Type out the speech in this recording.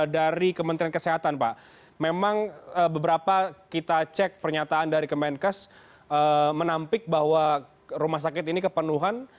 dari kementerian kesehatan pak memang beberapa kita cek pernyataan dari kemenkes menampik bahwa rumah sakit ini kepenuhan